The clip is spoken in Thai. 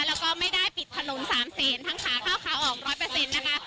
แล้วก็ไม่ได้ปิดถนน๓เซนทั้งขาเข้าขาออกร้อยเปอร์เซ็นต์นะคะ